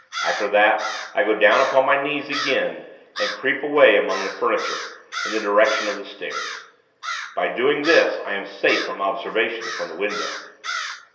After that, I go down upon my knees, again, and creep away among the furniture, in the direction of the stairs. By doing this, I am safe from observation from the window.